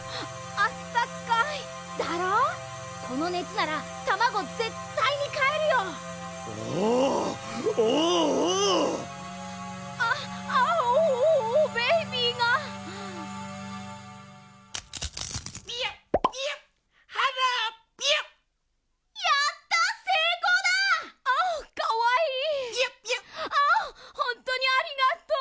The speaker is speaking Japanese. ああっほんとにありがとう。